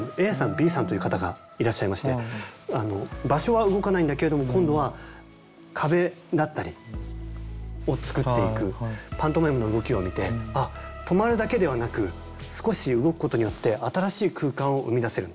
Ｂさんという方がいらっしゃいまして場所は動かないんだけれども今度は壁だったりを作っていくパントマイムの動きを見て止まるだけではなく少し動くことによって新しい空間を生み出せるんだ。